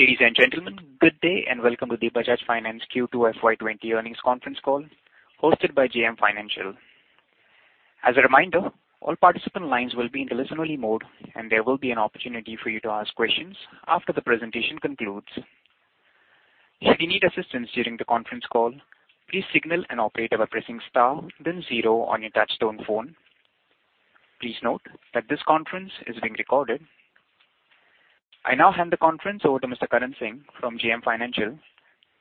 Ladies and gentlemen, good day and welcome to the Bajaj Finance Q2 FY 2020 earnings conference call hosted by JM Financial. As a reminder, all participant lines will be in listen-only mode, and there will be an opportunity for you to ask questions after the presentation concludes. Should you need assistance during the conference call, please signal an operator by pressing star then zero on your touch-tone phone. Please note that this conference is being recorded. I now hand the conference over to Mr. Karan Singh from JM Financial.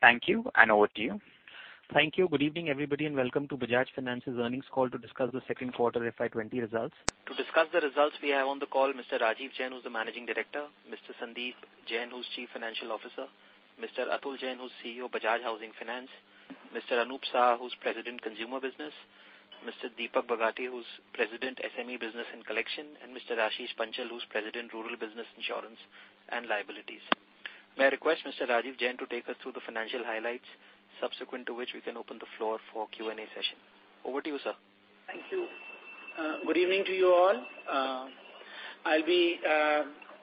Thank you, and over to you. Thank you. Good evening, everybody, and welcome to Bajaj Finance's earnings call to discuss the second quarter FY 2020 results. To discuss the results we have on the call Mr. Rajeev Jain, who's the Managing Director, Mr. Sandeep Jain, who's Chief Financial Officer, Mr. Atul Jain, who's CEO of Bajaj Housing Finance, Mr. Anup Saha, who's President, Consumer Business, Mr. Deepak Bagati, who's President, SME Business and Collection, and Mr. Ashish Panchal, who's President, Rural Business Insurance and Liabilities. May I request Mr. Rajeev Jain to take us through the financial highlights, subsequent to which we can open the floor for Q&A session. Over to you, sir. Thank you. Good evening to you all. I'll be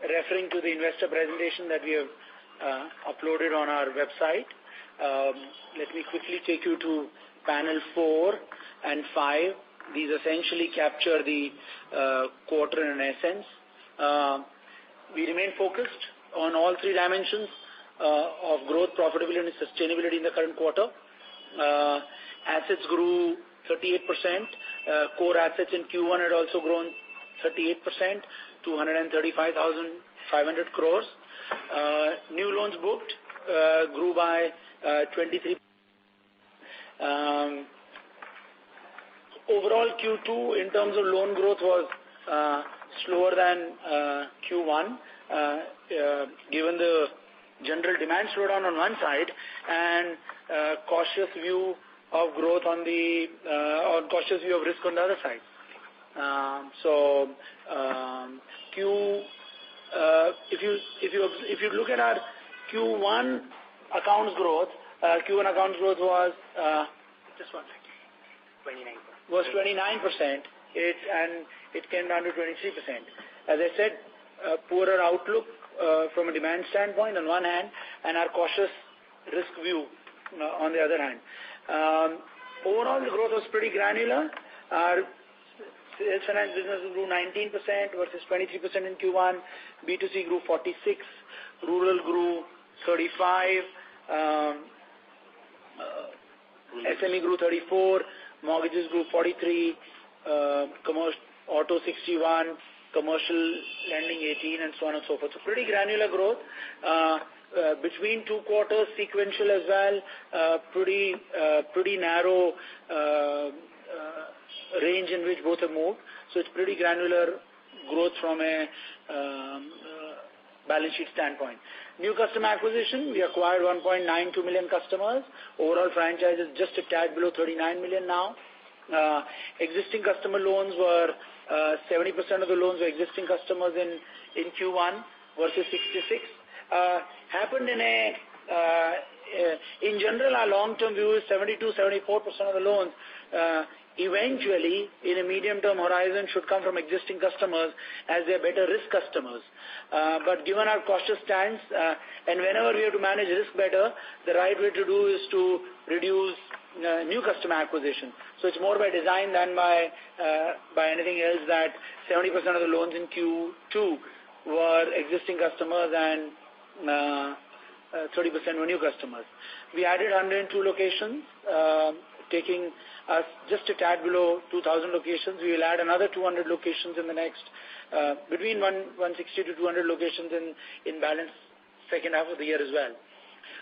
referring to the investor presentation that we have uploaded on our website. Let me quickly take you to panels four and five. These essentially capture the quarter in essence. We remain focused on all three dimensions of growth, profitability, and sustainability in the current quarter. Assets grew 38%. Core assets in Q1 had also grown 38%, to 135,500 crores. New loans booked grew by 23%. Overall Q2, in terms of loan growth, was slower than Q1, given the general demand slowdown on one side and cautious view of risk on the other side. If you look at our Q1 accounts growth, Q1 accounts growth. Just one second. 29%. Was 29%, and it came down to 23%. As I said, a poorer outlook from a demand standpoint on one hand, and our cautious risk view on the other hand. Overall, growth was pretty granular. Our finance business grew 19% versus 23% in Q1. B2C grew 46%, rural grew 35%, SME grew 34%, mortgages grew 43%, auto 61%, commercial lending 18%, and so on and so forth. Pretty granular growth. Between two quarters, sequential as well, pretty narrow range in which both have moved. It's pretty granular growth from a balance sheet standpoint. New customer acquisition, we acquired 1.92 million customers. Overall franchise is just a tad below 39 million now. 70% of the loans were existing customers in Q1 versus 66%. In general, our long-term view is 72%, 74% of the loans, eventually, in a medium-term horizon, should come from existing customers as they're better risk customers. Given our cautious stance, and whenever we have to manage risk better, the right way to do is to reduce new customer acquisition. It's more by design than by anything else that 70% of the loans in Q2 were existing customers and 30% were new customers. We added 102 locations, taking us just a tad below 2,000 locations. We will add between 160 to 200 locations in balance second half of the year as well.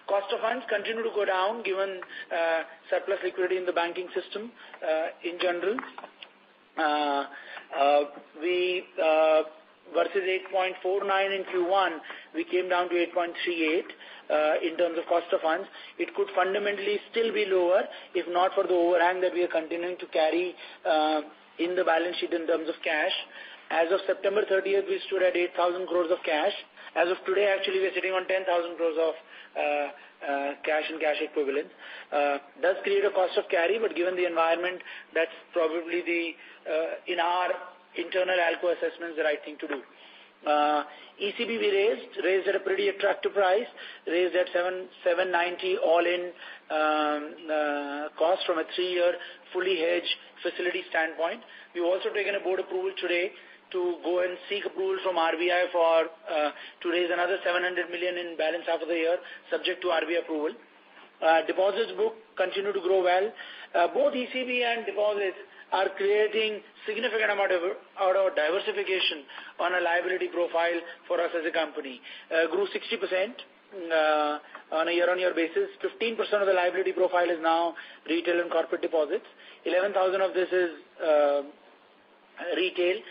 Cost of funds continued to go down given surplus liquidity in the banking system in general. Versus 8.49 in Q1, we came down to 8.38 in terms of cost of funds. It could fundamentally still be lower, if not for the overhang that we are continuing to carry in the balance sheet in terms of cash. As of September 30th, we stood at 8,000 crore of cash. As of today, actually, we're sitting on 10,000 crores of cash and cash equivalents. Does create a cost of carry, but given the environment, that's probably, in our internal ALCO assessment, the right thing to do. ECB we raised. Raised at a pretty attractive price. Raised at 790 all-in cost from a three-year fully hedged facility standpoint. We've also taken a board approval today to go and seek approval from RBI to raise another 700 million in balance half of the year subject to RBI approval. Deposits book continued to grow well. Both ECB and deposits are creating significant amount of diversification on a liability profile for us as a company. Grew 60% on a year-on-year basis. 15% of the liability profile is now retail and corporate deposits. 11,000 of this is retail and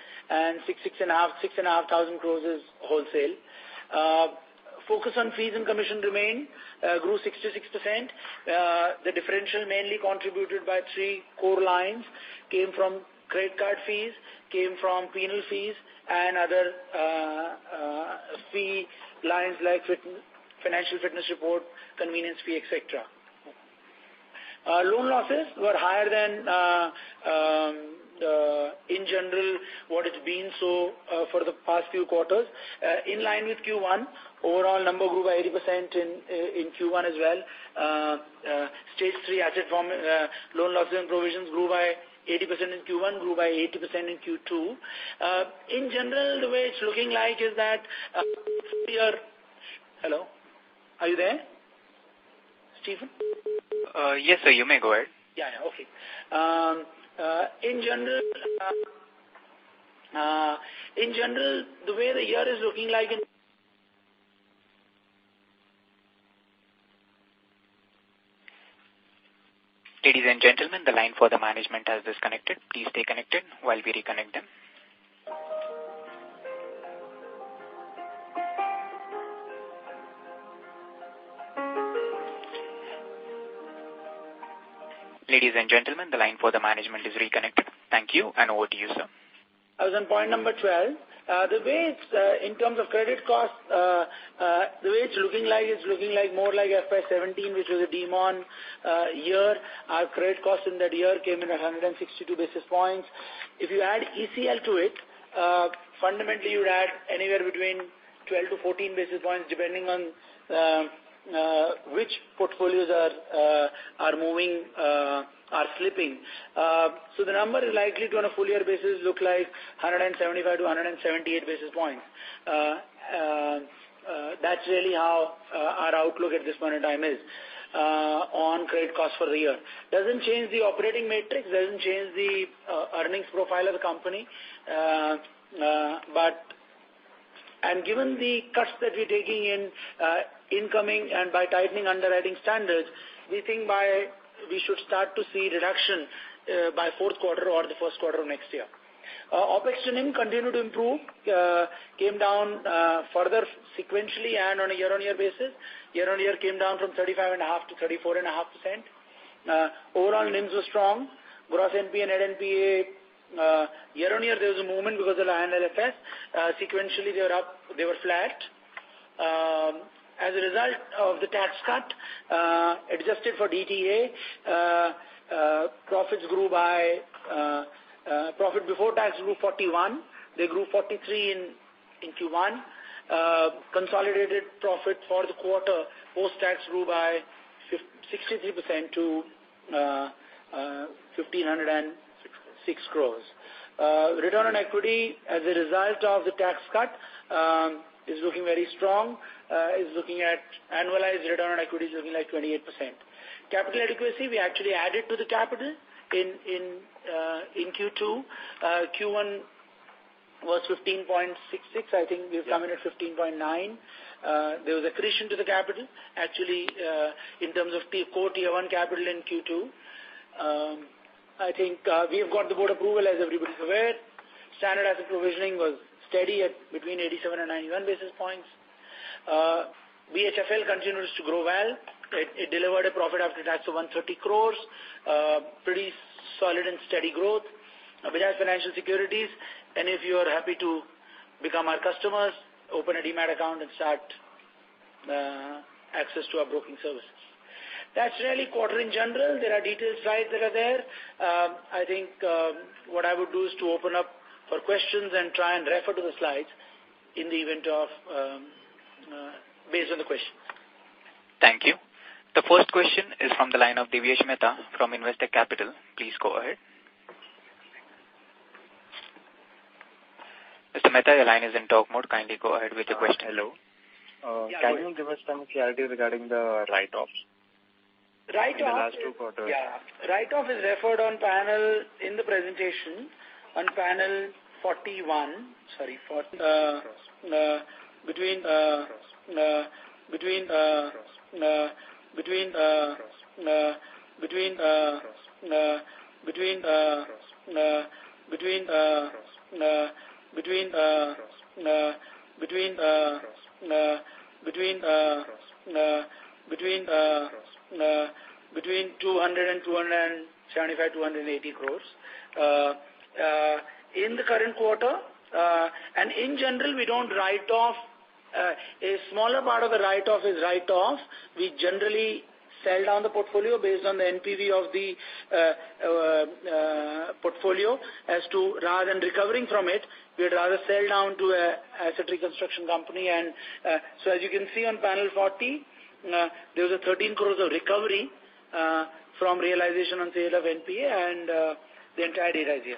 6,500 crores is wholesale. Focus on fees and commission remained, grew 66%. The differential mainly contributed by three core lines. Came from credit card fees, came from penal fees, and other fee lines like financial fitness report, convenience fee, et cetera. Loan losses were higher than in general what it's been so for the past few quarters. In line with Q1, overall number grew by 80% in Q1 as well. Stage 3 loan losses and provisions grew by 80% in Q1, grew by 80% in Q2. In general, the way it's looking like is that Hello, are you there? Steven? Yes, sir. You may go ahead. Yeah. Okay. In general, the way the year is looking like in Ladies and gentlemen, the line for the management has disconnected. Please stay connected while we reconnect them. Ladies and gentlemen, the line for the management is reconnected. Thank you, and over to you, sir. I was on point number 12. In terms of credit costs, the way it's looking like, it's looking more like FY17, which was a demonetisation year. Our credit cost in that year came in at 162 basis points. If you add ECL to it, fundamentally, you add anywhere between 12-14 basis points, depending on which portfolios are slipping. The number is likely to, on a full year basis, look like 175-178 basis points. That's really how our outlook at this point in time is on credit costs for the year. Doesn't change the operating metrics, doesn't change the earnings profile of the company. Given the cuts that we're taking in incoming and by tightening underwriting standards, we think we should start to see reduction by fourth quarter or the first quarter of next year. OpEx trending continued to improve. Came down further sequentially and on a year-on-year basis. Year-on-year came down from 35.5% to 34.5%. Overall NIMs were strong. Gross NPA and NPA, year-on-year there was a movement because of the IL&FS. Sequentially, they were flat. As a result of the tax cut, adjusted for DTA, profit before tax grew 41%. They grew 43% in Q1. Consolidated profit for the quarter post-tax grew by 63% to 1,506 crores. Return on equity as a result of the tax cut is looking very strong. Annualized return on equity is looking like 28%. Capital adequacy, we actually added to the capital in Q2. Q1 was 15.66%. I think we've come in at 15.9%. There was accretion to the capital. Actually, in terms of core Tier 1 capital in Q2, I think we have got the board approval, as everybody's aware. Standardized provisioning was steady at between 87 and 91 basis points. BHFL continues to grow well. It delivered a profit after tax of 130 crore. Pretty solid and steady growth. Bajaj Financial Securities, and if you are happy to become our customers, open a Demat account and start access to our broking services. That's really quarter in general. There are detailed slides that are there. I think what I would do is to open up for questions and try and refer to the slides based on the questions. Thank you. The first question is from the line of Devesh Mehta from Investec Capital. Please go ahead. Mr. Mehta, your line is in talk mode. Kindly go ahead with the question. Hello. Yeah. Can you give us some clarity regarding the write-offs? Write-off- In the last two quarters. Write-off is referred in the presentation on panel 41. Between INR 200 crore and INR 275 crore, 280 crore in the current quarter. In general, we don't write off. A smaller part of the write-off is write-off. We generally sell down the portfolio based on the NPV of the portfolio. Rather than recovering from it, we'd rather sell down to an asset reconstruction company. As you can see on panel 40, there was a 13 crore of recovery from realization on sale of NPA and the entire data is here.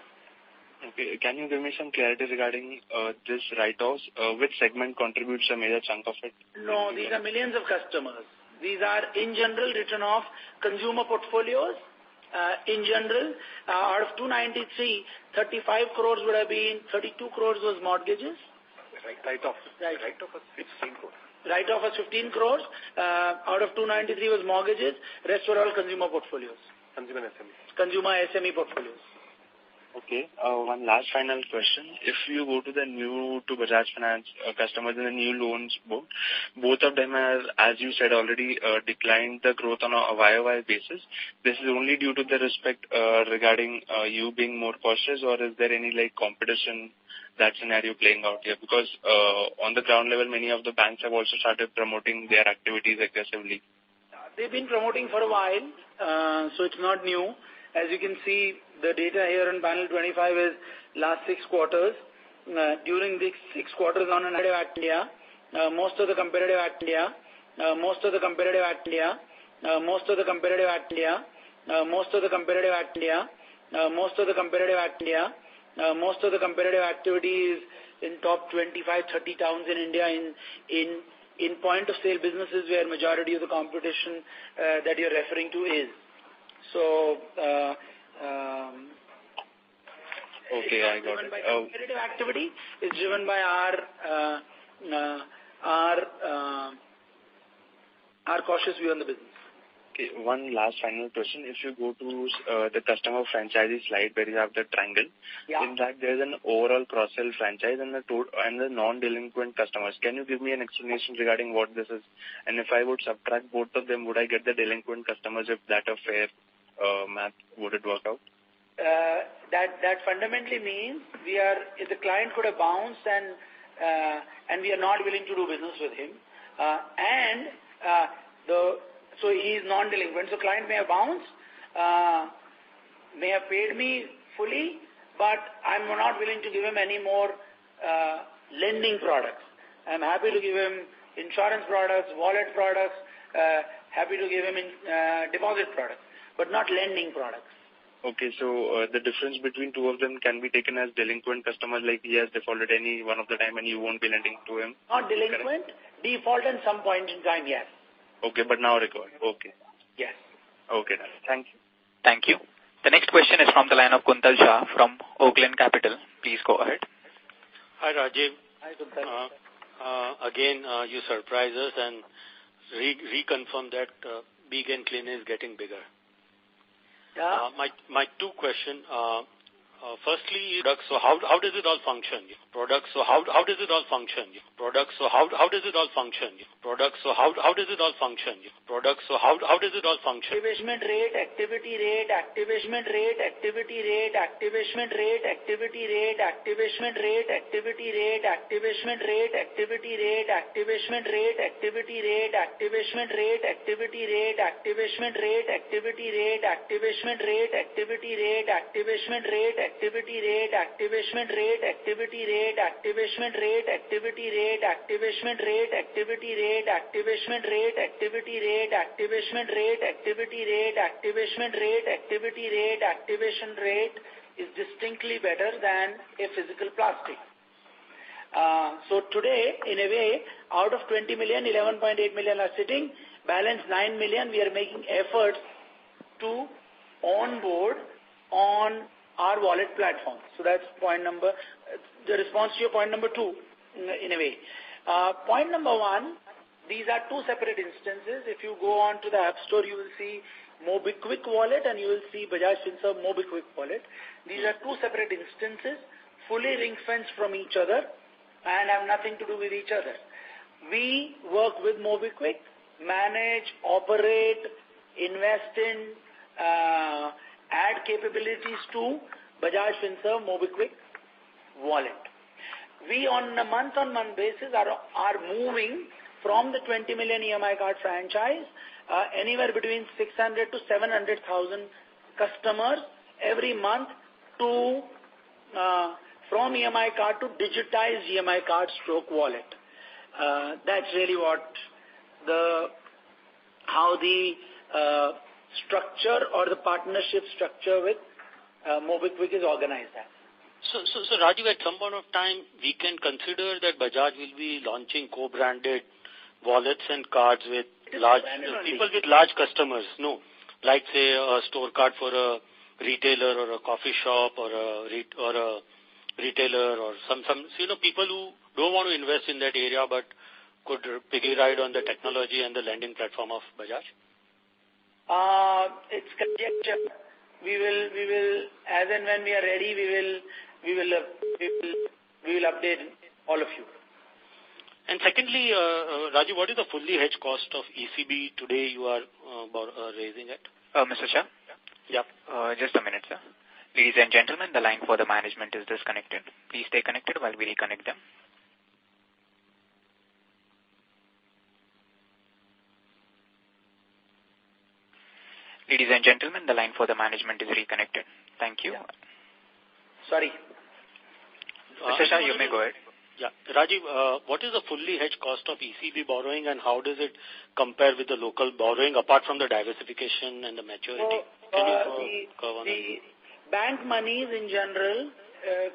Okay. Can you give me some clarity regarding this write-offs? Which segment contributes a major chunk of it? No, these are millions of customers. These are in general written off consumer portfolios. In general, out of 293, 35 crores would have been 32 crores was mortgages. Write-offs. Write-offs. Write-off was 15 crores. Write-off was 15 crores. Out of 293 crores was mortgages. Rest were all consumer portfolios. Consumer and SME. Consumer SME portfolios. Okay. One last final question. If you go to the new to Bajaj Finance customers in the new loans book, both of them, as you said already, declined the growth on a YOY basis. This is only due to the respect regarding you being more cautious, or is there any competition that scenario playing out here, because on the ground level, many of the banks have also started promoting their activities aggressively? They've been promoting for a while so it's not new. As you can see, the data here on panel 25 is last six quarters. During these six quarters on an active year most of the competitive activity is in top 25, 30 towns in India in point of sale businesses where majority of the competition that you're referring to is. Okay, I got it. Competitive activity is driven by our cautious view on the business. One last final question. If you go to the customer franchise slide where you have the triangle. Yeah. In fact, there's an overall cross-sell franchise and the non-delinquent customers. Can you give me an explanation regarding what this is? If I would subtract both of them, would I get the delinquent customers if that fair math, would it work out? That fundamentally means if the client could have bounced and we are not willing to do business with him. He's non-delinquent. Client may have bounced, may have paid me fully but I'm not willing to give him any more lending products. I'm happy to give him insurance products, wallet products, happy to give him deposit product, but not lending products. Okay. The difference between two of them can be taken as delinquent customers like he has defaulted any one of the time and you won't be lending to him? Not delinquent. Default at some point in time, yes. Now recovered. Okay. Yes. Okay. Done. Thank you. Thank you. The next question is from the line of Kuntal Shah from Oaklane Capital. Please go ahead. Hi Rajeev. Hi Kuntal. You surprise us and reconfirm that big and clean is getting bigger. Yeah. My two questions are firstly, how does it all function? Rate, activation rate, activity rate, activation rate is distinctly better than a physical plastic. Today, in a way, out of 20 million, 11.8 million are sitting balance 9 million, we are making efforts to onboard on our wallet platform. That's response to your point number 2 in a way. Point number 1, these are two separate instances. If you go onto the App Store, you will see MobiKwik Wallet and you will see Bajaj Finserv MobiKwik Wallet. These are two separate instances, fully ring fenced from each other and have nothing to do with each other. We work with MobiKwik, manage, operate, invest in add capabilities to Bajaj Finserv MobiKwik Wallet. We, on a month-on-month basis, are moving from the 20 million EMI card franchise anywhere between 600,000 to 700,000 customers every month from EMI card to digitized EMI card stroke wallet. That's really how the structure or the partnership structure with MobiKwik is organized at. Rajeev, at some point of time, we can consider that Bajaj will be launching co-branded wallets and cards people with large customers. Like say, a store card for a retailer or a coffee shop or people who don't want to invest in that area but could piggy ride on the technology and the landing platform of Bajaj? It's conjecture. As and when we are ready, we will update all of you. Secondly, Rajeev, what is the fully hedged cost of ECB today you are raising at? Mr. Shah? Yep. Just a minute, sir. Ladies and gentlemen, the line for the management is disconnected. Please stay connected while we reconnect them. Ladies and gentlemen, the line for the management is reconnected. Thank you. Sorry. Mr. Shah, you may go ahead. Rajeev, what is the fully hedge cost of ECB borrowing and how does it compare with the local borrowing apart from the diversification and the maturity curve analysis? The bank monies in general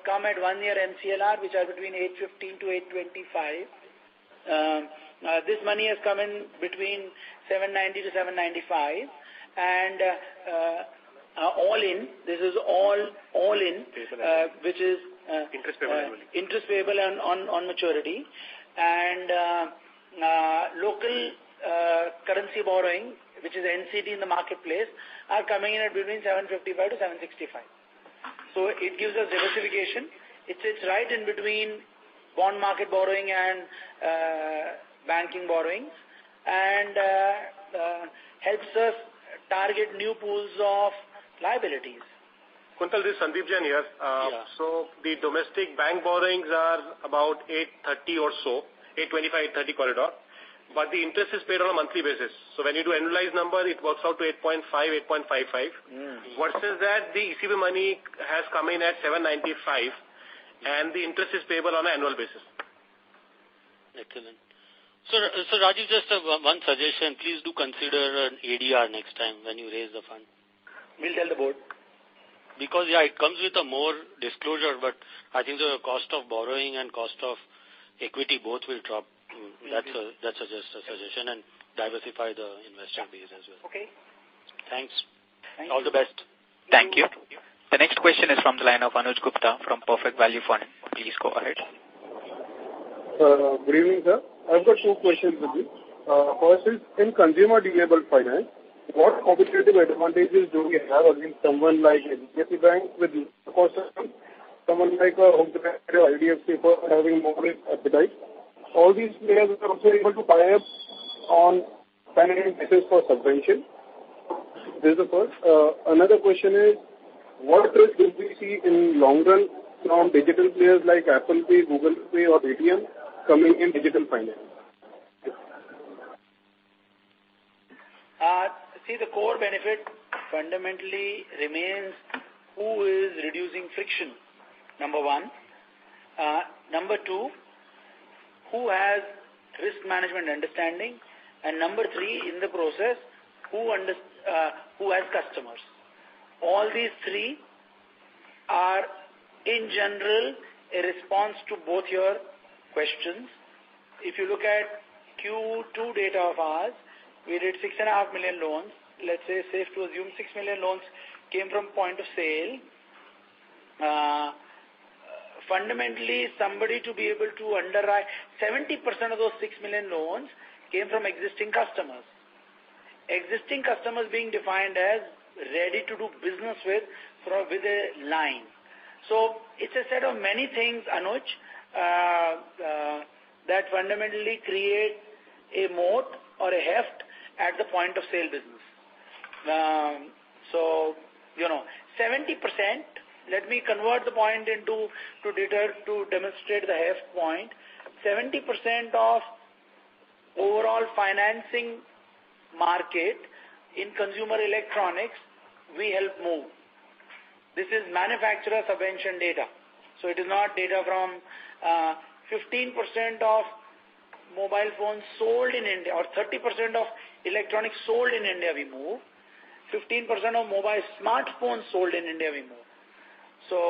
come at one year MCLR which are between 8.15% to 8.25%. This money has come in between 7.90% to 7.50% and all in, interest payable on maturity and local currency borrowing, which is NCD in the marketplace are coming in at between 7.55% to 7.65%. It gives us diversification. It sits right in between bond market borrowing and banking borrowings. Helps us target new pools of liabilities. Kuntal, this is Sandeep Jain here. Yeah. The domestic bank borrowings are about 830 or so, 825-830 corridor. The interest is paid on a monthly basis. When you do annualized number, it works out to 8.5%, 8.55%. Versus that the ECB money has come in at 7.95% and the interest is payable on an annual basis. Excellent. Rajeev, just one suggestion. Please do consider an ADR next time when you raise the fund. We'll tell the board. Yeah, it comes with more disclosure, I think the cost of borrowing and cost of equity both will drop. That's just a suggestion, diversify the investor base as well. Okay. Thanks. Thank you. All the best. Thank you. The next question is from the line of Anuj Gupta from Perfect Value Fund. Please go ahead. Good evening, sir. I've got two questions for you. First is, in consumer durable finance, what competitive advantages do we have against someone like HDFC Bank with someone like Home Credit, IDFC for having more appetite? All these players are also able to tie up on financing business for subvention. This is the first. Another question is, what risk will we see in long run from digital players like Apple Pay, Google Pay or Paytm coming in digital finance? The core benefit fundamentally remains who is reducing friction, number 1. Number 2, who has risk management understanding? Number 3 in the process, who has customers? All these three are, in general, a response to both your questions. If you look at Q2 data of ours, we did 6.5 million loans. Let's say, safe to assume 6 million loans came from point-of-sale. Fundamentally, somebody to be able to underwrite 70% of those 6 million loans came from existing customers. Existing customers being defined as ready to do business with a line. It's a set of many things, Anuj, that fundamentally create a moat or a heft at the point-of-sale business. 70%, let me convert the point into data to demonstrate the heft point. 70% of overall financing market in consumer electronics, we help move. This is manufacturer subvention data. It is not data from 15% of mobile phones sold in India or 30% of electronics sold in India, we move. 15% of mobile smartphones sold in India, we move.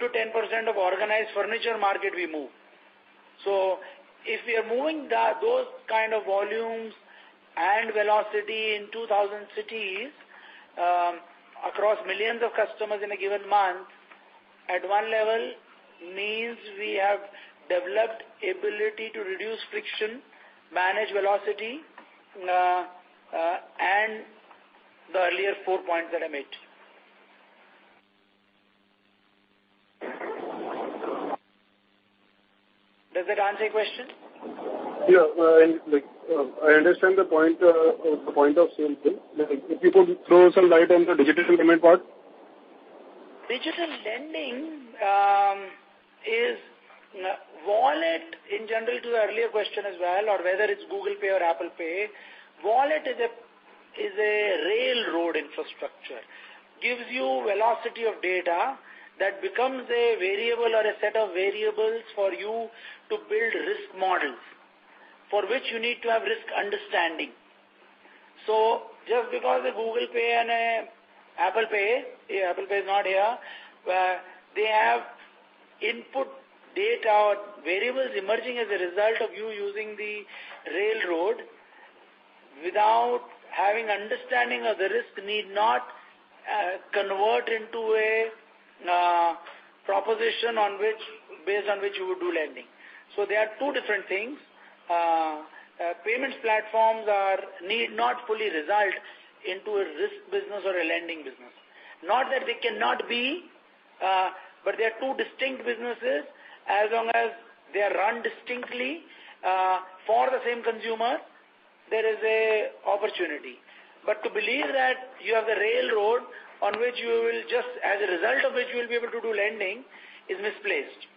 8-10% of organized furniture market, we move. If we are moving those kind of volumes and velocity in 2,000 cities across millions of customers in a given month, at one level means we have developed ability to reduce friction, manage velocity, and the earlier four points that I made. Does that answer your question? Yeah. I understand the point of sale thing. If you could throw some light on the digital lending part. Digital lending is Wallet in general, to your earlier question as well, or whether it's Google Pay or Apple Pay, wallet is a railroad infrastructure. Gives you velocity of data that becomes a variable or a set of variables for you to build risk models, for which you need to have risk understanding. Just because a Google Pay and an Apple Pay, Apple Pay is not here, they have input data or variables emerging as a result of you using the railroad. Without having understanding of the risk need not convert into a proposition based on which you would do lending. They are two different things. Payments platforms need not fully result into a risk business or a lending business. Not that they cannot be, but they are two distinct businesses. As long as they are run distinctly for the same consumer, there is an opportunity. To believe that you have the railroad on which you will just, as a result of which you will be able to do lending, is misplaced.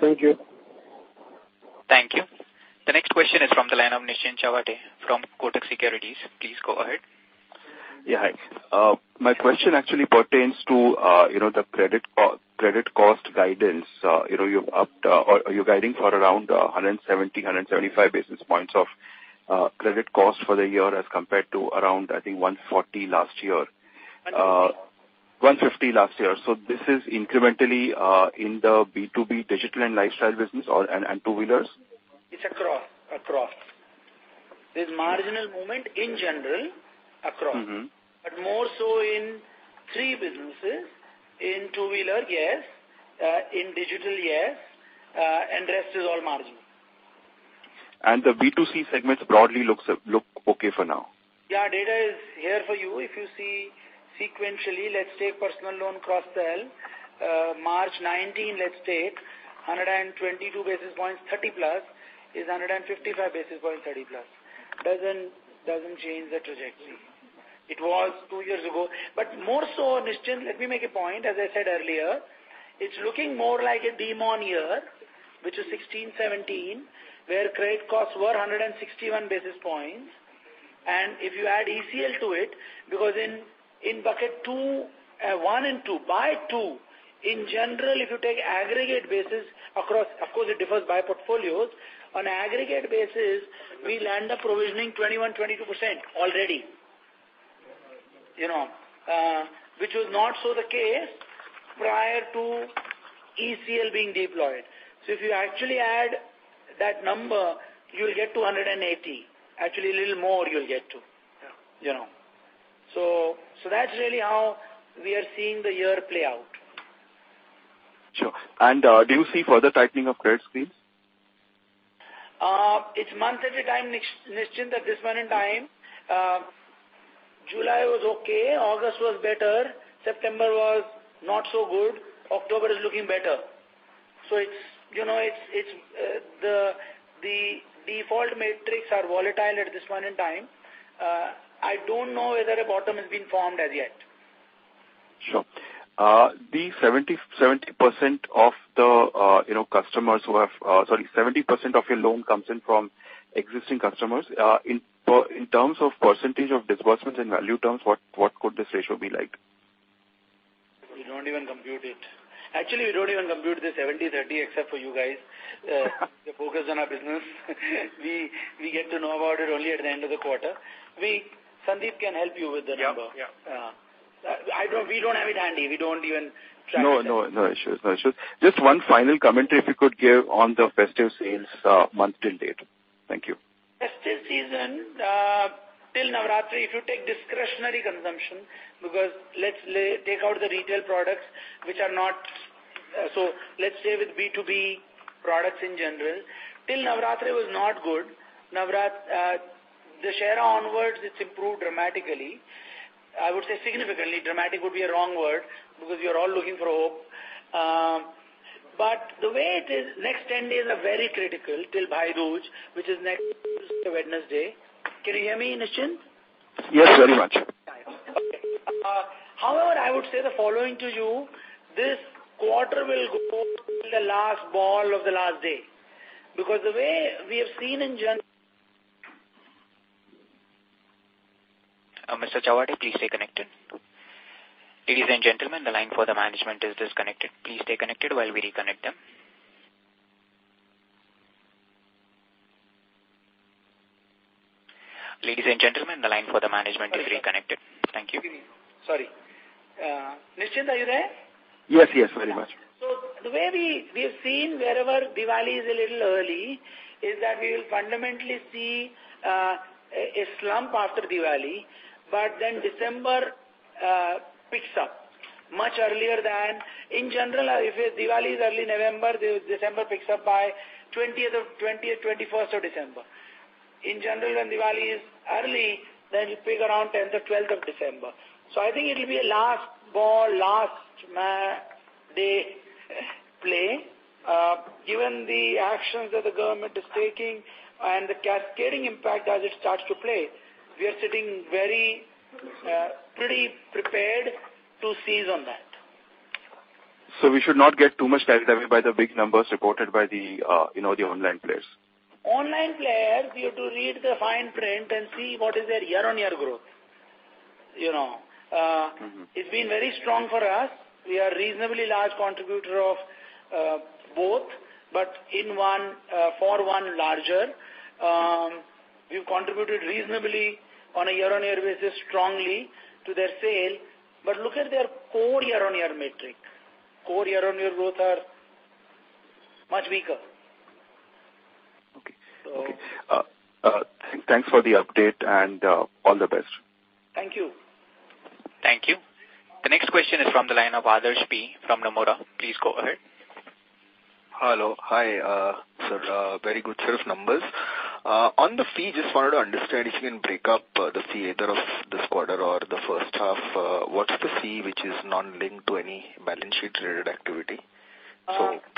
Thank you. Thank you. The next question is from the line of Nischint Chawathe from Kotak Securities. Please go ahead. Yeah, hi. My question actually pertains to the credit cost guidance. You're guiding for around 170, 175 basis points of credit cost for the year as compared to around, I think 140 last year. 150. 150 last year. This is incrementally in the B2B digital and lifestyle business and two-wheelers? It's across. There's marginal movement in general across. More so in three businesses. In two-wheeler, yes. In digital, yes, and rest is all margin. The B2C segments broadly look okay for now? Yeah, data is here for you. If you see sequentially, let's take personal loan cross-sell. March 2019, let's take 122 basis points 30-plus, is 155 basis points 30-plus. Doesn't change the trajectory. It was two years ago. More so, Nischint, let me make a point. As I said earlier, it's looking more like a demonetisation year, which is 2016-2017, where credit costs were 161 basis points. If you add ECL to it, because in bucket one and two, by two, in general, if you take aggregate basis across, of course it differs by portfolios. On aggregate basis, we land up provisioning 21%-22% already, which was not so the case prior to ECL being deployed. If you actually add that number, you'll get to 180. Actually, a little more you'll get to. Yeah. That's really how we are seeing the year play out. Sure. Do you see further tightening of credit spreads? It's month every time, Nischint, at this point in time. July was okay. August was better. September was not so good. October is looking better. The default metrics are volatile at this point in time. I don't know whether a bottom has been formed as yet. Sure. 70% of your loan comes in from existing customers. In terms of percentage of disbursements in value terms, what could this ratio be like? We don't even compute it. Actually, we don't even compute the 70/30 except for you guys. We're focused on our business. We get to know about it only at the end of the quarter. Sandeep can help you with the number. Yeah. We don't have it handy. We don't even track that. No issues. Just one final commentary if you could give on the festive sales month till date. Thank you. Festive season till Navratri, if you take discretionary consumption. Let's take out the retail products. Let's say with B2B products in general, till Navratri was not good. Dussehra onwards, it's improved dramatically. I would say significantly. Dramatic would be a wrong word, because we are all looking for hope. The way it is, next 10 days are very critical till Bhai Dooj, which is next Wednesday. Can you hear me, Nischint? Yes, very much. Okay. However, I would say the following to you. This quarter will go till the last ball of the last day. Because the way we have seen in general- Mr. Chawathe, please stay connected. Ladies and gentlemen, the line for the management is disconnected. Please stay connected while we reconnect them. Ladies and gentlemen, the line for the management is reconnected. Thank you. Sorry. Nischint, are you there? Yes. Very much. The way we have seen wherever Diwali is a little early, is that we will fundamentally see a slump after Diwali, but then December picks up much earlier than. In general, if your Diwali is early November, December picks up by 20th or 21st of December. In general, when Diwali is early, then it picks around 10th or 12th of December. I think it'll be a last ball, last man play. Given the actions that the government is taking and the cascading impact as it starts to play, we are sitting very pretty prepared to seize on that. We should not get too much distracted by the big numbers reported by the online players. Online players, we have to read the fine print and see what is their year-on-year growth. It's been very strong for us. We are reasonably large contributor of both, but for one larger. We've contributed reasonably on a year-on-year basis strongly to their sale. Look at their core year-on-year metric. Core year-on-year growth are much weaker. Okay. So. Thanks for the update and all the best. Thank you. Thank you. The next question is from the line of Adarsh P. from Nomura. Please go ahead. Hello. Hi, sir. Very good set of numbers. On the fee, just wanted to understand if you can break up the fee either of this quarter or the first half. What's the fee which is not linked to any balance sheet-related activity?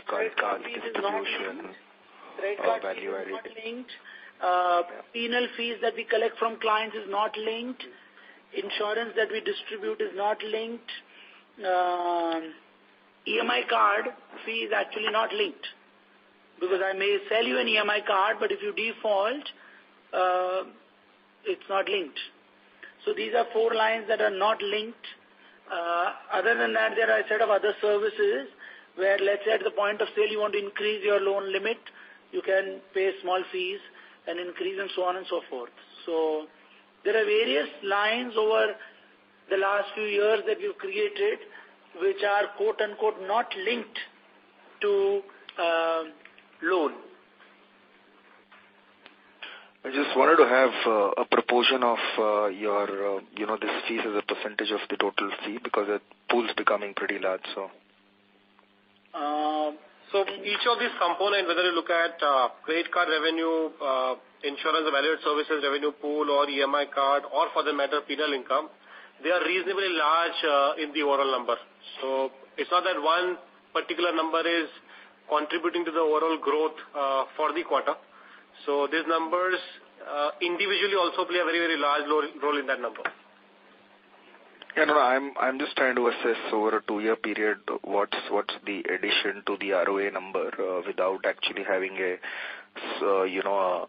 Credit card distribution or value added. Credit card fee is not linked. Penal fees that we collect from clients is not linked. Insurance that we distribute is not linked. EMI card fee is actually not linked, because I may sell you an EMI card, but if you default, it's not linked. These are four lines that are not linked. Other than that, there are a set of other services where, let's say at the point of sale, you want to increase your loan limit. You can pay small fees and increase and so on and so forth. There are various lines over the last few years that we've created, which are "not linked" to loan. I just wanted to have a proportion of this fees as a percentage of the total fee because that pool's becoming pretty large. Each of these components, whether you look at credit card revenue, insurance and valued services revenue pool or EMI card, or for that matter, penal income, they are reasonably large in the overall number. It's not that one particular number is contributing to the overall growth for the quarter. These numbers individually also play a very large role in that number. Yeah, no, I'm just trying to assess over a two-year period, what's the addition to the ROA number without actually having a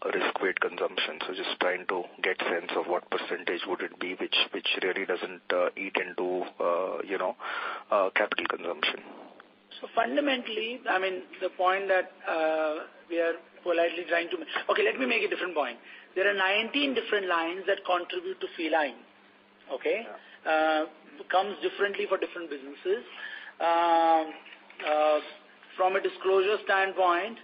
risk-weight consumption. Just trying to get a sense of what percentage would it be, which really doesn't eat into capital consumption. Fundamentally, let me make a different point. There are 19 different lines that contribute to fee line. Okay? Yeah. Comes differently for different businesses. From a disclosure standpoint,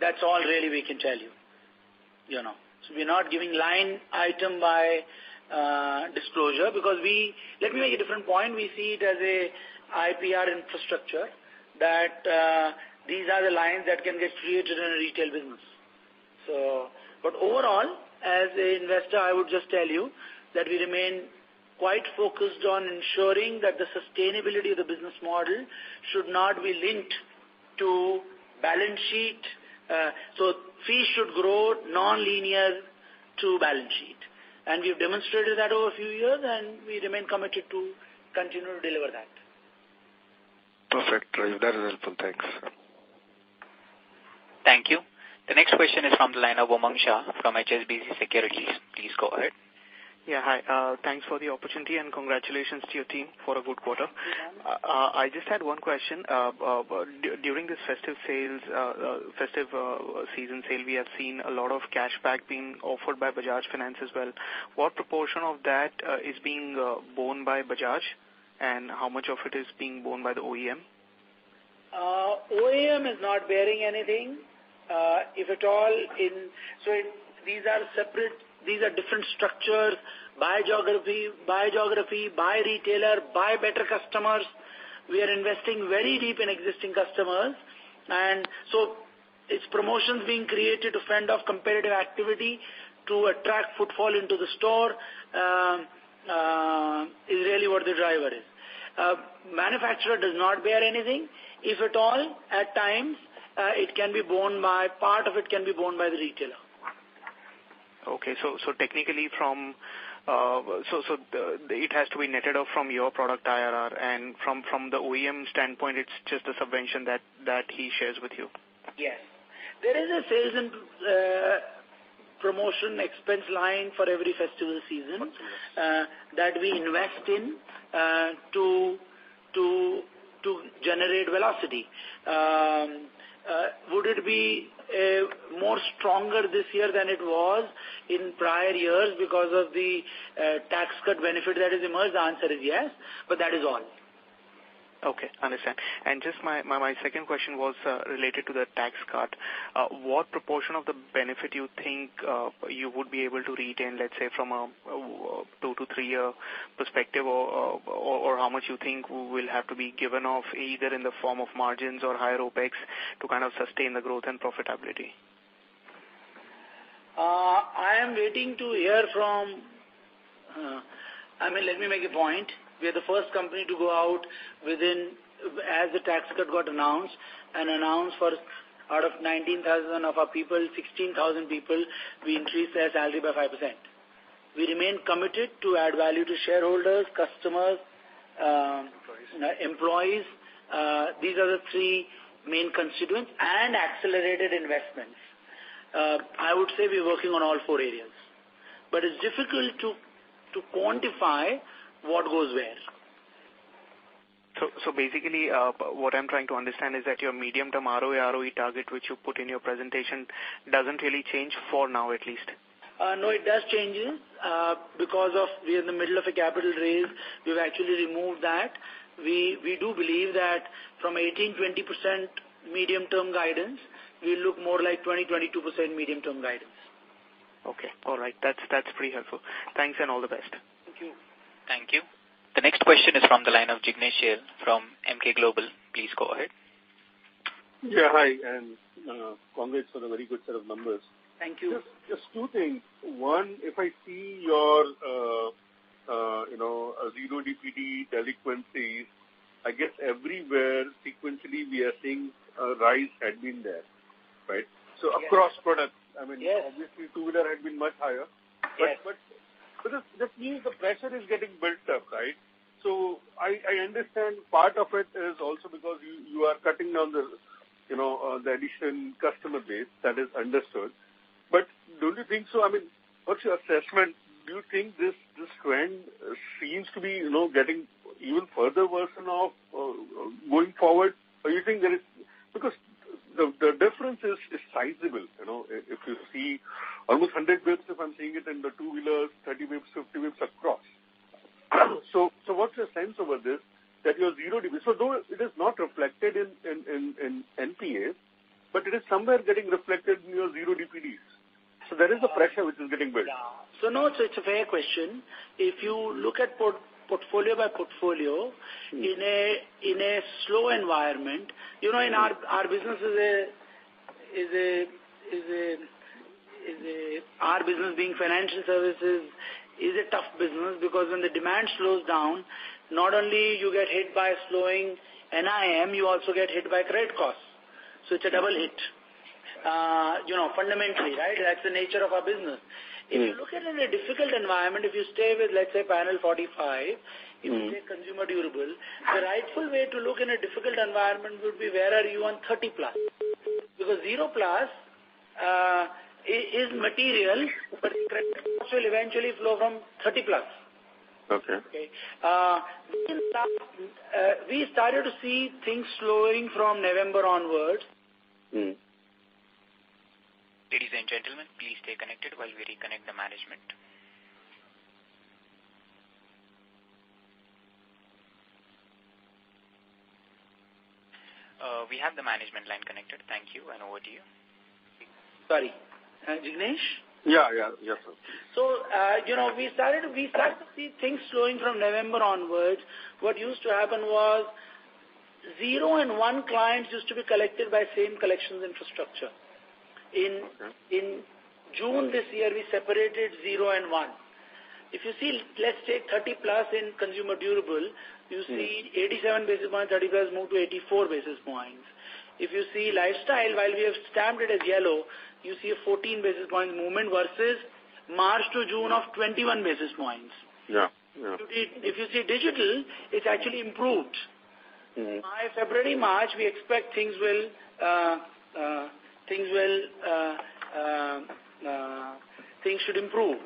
that's all really we can tell you. We're not giving line item by disclosure because let me make a different point. We see it as an IPR infrastructure that these are the lines that can get created in a retail business. Overall, as an investor, I would just tell you that we remain quite focused on ensuring that the sustainability of the business model should not be linked to balance sheet. Fees should grow non-linear to balance sheet. We've demonstrated that over a few years, and we remain committed to continue to deliver that. Perfect. That is helpful. Thanks. Thank you. The next question is from the line of Umang Shah from HSBC Securities. Please go ahead. Yeah. Hi. Thanks for the opportunity, and congratulations to your team for a good quarter. Thank you. I just had one question. During this festive season sale, we have seen a lot of cashback being offered by Bajaj Finance as well. What proportion of that is being borne by Bajaj, and how much of it is being borne by the OEM? OEM is not bearing anything. These are different structures by geography, by retailer, by better customers. We are investing very deep in existing customers, and so it's promotions being created to fend off competitive activity to attract footfall into the store, is really what the driver is. Manufacturer does not bear anything. If at all, at times part of it can be borne by the retailer. It has to be netted off from your product IRR, and from the OEM standpoint, it's just a subvention that he shares with you. Yes. There is a sales and promotion expense line for every festival season that we invest in to generate velocity. Would it be more stronger this year than it was in prior years because of the tax cut benefit that has emerged? The answer is yes, but that is all. Okay. Understand. Just my second question was related to the tax cut. What proportion of the benefit you think you would be able to retain, let's say, from a 2-3-year perspective or how much you think will have to be given off either in the form of margins or higher OPEX to kind of sustain the growth and profitability? Let me make a point. We are the first company to go out as the tax cut got announced and announced for out of 19,000 of our people, 16,000 people, we increased their salary by 5%. We remain committed to add value to shareholders, customers. Employees employees. These are the three main constituents and accelerated investments. I would say we're working on all four areas. It's difficult to quantify what goes where. Basically, what I'm trying to understand is that your medium-term ROA, ROE target, which you put in your presentation, doesn't really change for now at least. No, it does change because we're in the middle of a capital raise. We've actually removed that. We do believe that from 18%-20% medium-term guidance, we look more like 20%-22% medium-term guidance. Okay. All right. That's pretty helpful. Thanks and all the best. Thank you. Thank you. The next question is from the line of Jignesh Shial from Emkay Global. Please go ahead. Yeah, hi, and congrats on a very good set of numbers. Thank you. Just two things. One, if I see your zero DPD delinquencies, I guess everywhere sequentially we are seeing a rise had been there, right? Across products. Yes. Obviously, two-wheeler had been much higher. Yes. Does this mean the pressure is getting built up, right? I understand part of it is also because you are cutting down the addition customer base. That is understood. Don't you think so? What's your assessment? Do you think this trend seems to be getting even further worsen off going forward? The difference is sizable. If you see almost 100 basis points, if I'm seeing it in the two-wheelers, 30 basis points, 50 basis points across. What's your sense over this? Though it is not reflected in NPAs, but it is somewhere getting reflected in your 0 DPDs. There is a pressure which is getting built. No, it's a fair question. If you look at portfolio by portfolio, in a slow environment, our business being financial services is a tough business because when the demand slows down, not only you get hit by a slowing NIM, you also get hit by credit costs. It's a double hit. Fundamentally, right? That's the nature of our business. If you look at it in a difficult environment, if you stay with, let's say, panel 45, if you say consumer durable, the rightful way to look in a difficult environment would be where are you on 30 plus? Because zero plus is material, but credit costs will eventually flow from 30 plus. Okay. Okay. We started to see things slowing from November onwards. Ladies and gentlemen, please stay connected while we reconnect the management. We have the management line connected. Thank you, and over to you. Sorry. Jignesh? Yeah. We started to see things slowing from November onwards. What used to happen was zero and one clients used to be collected by same collections infrastructure. Okay. In June this year, we separated zero and one. If you see, let's say, 30 plus in consumer durable, you see 87 basis points, 30 plus move to 84 basis points. If you see lifestyle, while we have stamped it as yellow, you see a 14 basis points movement versus March to June of 21 basis points. Yeah. If you see digital, it's actually improved. By February, March, we expect things should improve.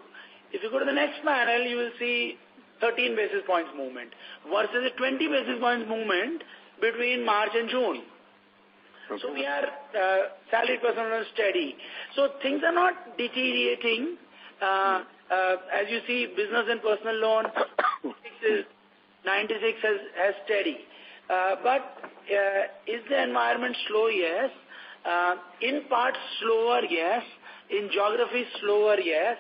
If you go to the next panel, you will see 13 basis points movement versus a 20 basis points movement between March and June. Okay. We are salary percentage steady. Things are not deteriorating. As you see, business and personal loans 96 has steady. Is the environment slow? Yes. In parts slower? Yes. In geographies slower? Yes.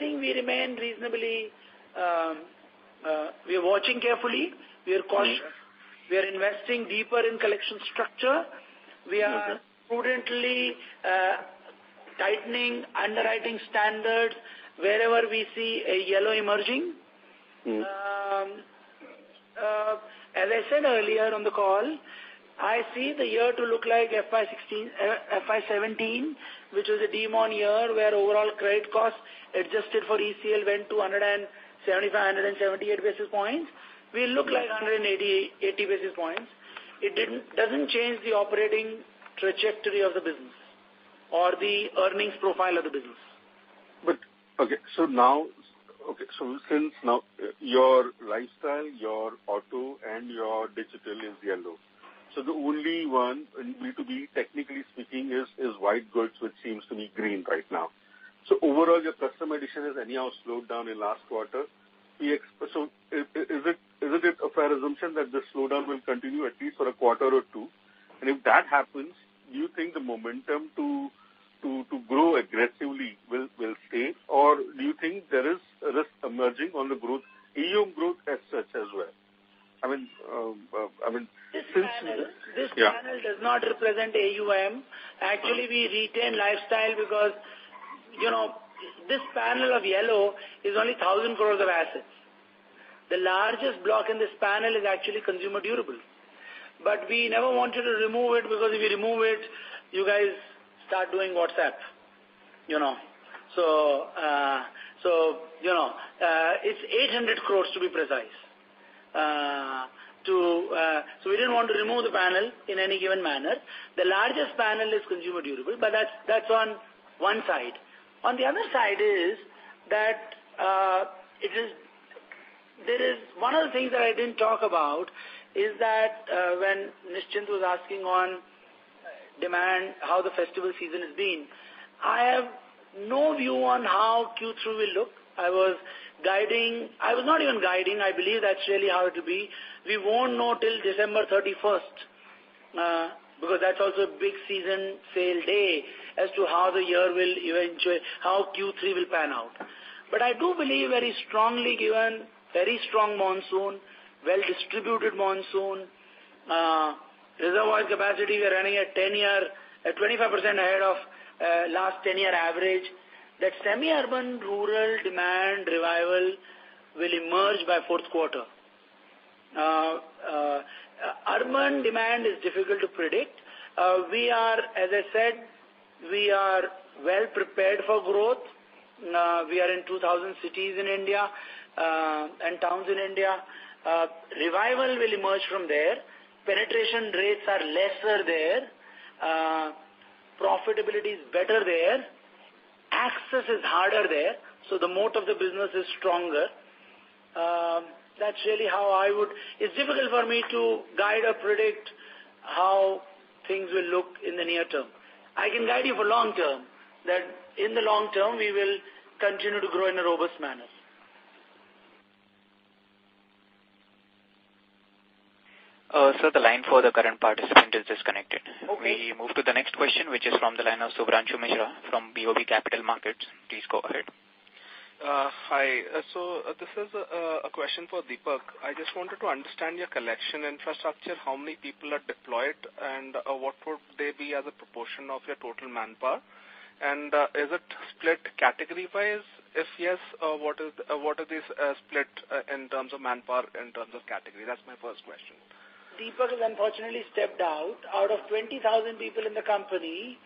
We are watching carefully. We are investing deeper in collection structure. Okay. We are prudently tightening underwriting standards wherever we see a yellow emerging. As I said earlier on the call, I see the year to look like FY 2017, which was a demonetisation year, where overall credit costs adjusted for ECL went to 175, 178 basis points. We look like 180 basis points. It doesn't change the operating trajectory of the business or the earnings profile of the business. Okay. Since now your lifestyle, your auto, and your digital is yellow. The only one, technically speaking, is white goods, which seems to be green right now. Overall, your customer addition has anyhow slowed down in last quarter. Is it a fair assumption that the slowdown will continue at least for a quarter or two? If that happens, do you think the momentum to grow aggressively will stay? Do you think there is a risk emerging on the growth, AUM growth as such as well? This panel does not represent AUM. Actually, we retain lifestyle because this panel of yellow is only 1,000 crore of assets. The largest block in this panel is actually consumer durable. We never wanted to remove it, because if we remove it, you guys start doing WhatsApp. It's 800 crore, to be precise. We didn't want to remove the panel in any given manner. The largest panel is consumer durable, but that's on one side. On the other side is that, one of the things that I didn't talk about is that when Nischint was asking on demand how the festival season has been. I have no view on how Q3 will look. I was not even guiding. I believe that's really how it'll be. We won't know till December 31st, because that's also a big season sale day as to how Q3 will pan out. I do believe very strongly given very strong monsoon, well-distributed monsoon, reservoir capacity, we are running at 25% ahead of last 10-year average. That semi-urban rural demand revival will emerge by fourth quarter. Urban demand is difficult to predict. As I said, we are well prepared for growth. We are in 2,000 cities in India and towns in India. Revival will emerge from there. Penetration rates are lesser there. Profitability is better there. Access is harder there, so the moat of the business is stronger. It's difficult for me to guide or predict how things will look in the near term. I can guide you for long term, that in the long term, we will continue to grow in a robust manner. Sir, the line for the current participant is disconnected. Okay. We move to the next question, which is from the line of Shubhranshu Mishra from BOB Capital Markets. Please go ahead. Hi. This is a question for Deepak. I just wanted to understand your collection infrastructure, how many people are deployed, and what would they be as a proportion of your total manpower. Is it split category-wise? If yes, what are these split in terms of manpower, in terms of category? That's my first question. Deepak has unfortunately stepped out. Out of 20,000 people in the company,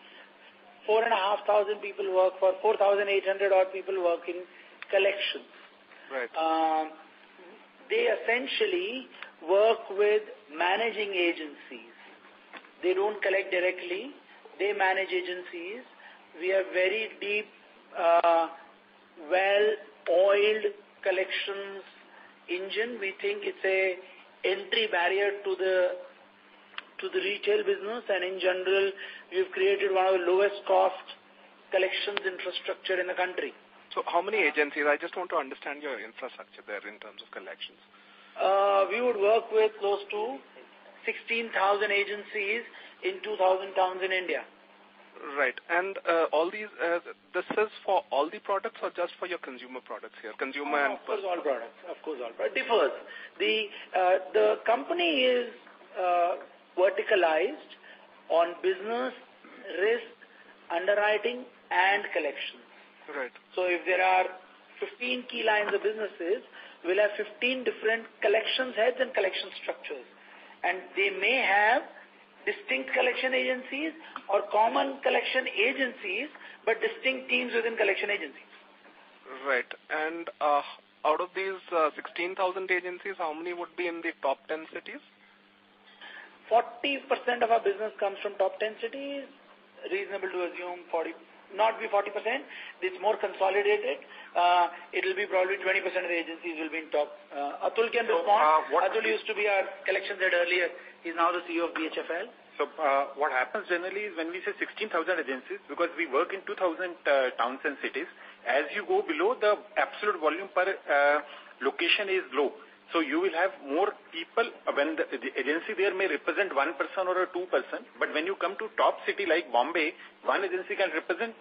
4,800 odd people work in collections. Right. They essentially work with managing agencies. They don't collect directly. They manage agencies. We have very deep, well-oiled collections engine. We think it's an entry barrier to the retail business. In general, we've created one of the lowest cost collections infrastructure in the country. How many agencies? I just want to understand your infrastructure there in terms of collections. We would work with close to 16,000 agencies in 2,000 towns in India. Right. This is for all the products or just for your consumer products here? Consumer and personal. Of course, all products. It differs. The company is verticalized on business risk underwriting and collection. Right. If there are 15 key lines of businesses, we'll have 15 different collections heads and collection structures. They may have distinct collection agencies or common collection agencies, but distinct teams within collection agencies. Right. Out of these 16,000 agencies, how many would be in the top 10 cities? 40% of our business comes from top 10 cities. Reasonable to assume, not be 40%. It's more consolidated. It'll be probably 20% of the agencies will be in top. Atul can respond. So what- Atul used to be our collection head earlier. He's now the CEO of BHFL. What happens generally is when we say 16,000 agencies, because we work in 2,000 towns and cities, as you go below, the absolute volume per location is low. You will have more people when the agency there may represent one person or two person, but when you come to top city like Bombay, one agency can represent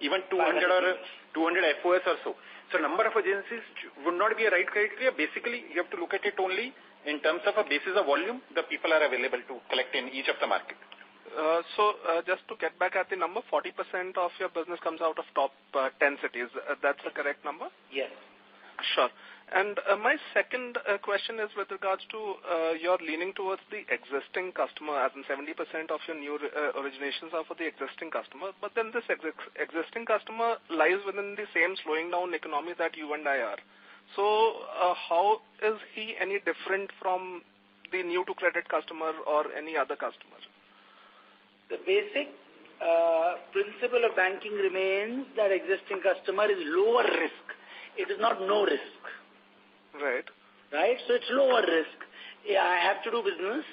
even 200. 200 agents. or 200 FOS or so. Number of agencies would not be a right criteria. Basically, you have to look at it only in terms of a basis of volume, the people are available to collect in each of the market. Just to get back at the number, 40% of your business comes out of top 10 cities. That's the correct number? Yes. Sure. My second question is with regards to your leaning towards the existing customer as in 70% of your new originations are for the existing customer. This existing customer lies within the same slowing down economy that you and I are. How is he any different from the new-to-credit customer or any other customer? The basic principle of banking remains that existing customer is lower risk. It is not no risk. Right. Right? It's lower risk. I have to do business.